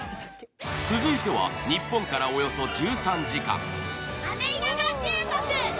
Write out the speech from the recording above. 続いては日本からおよそ１３時間。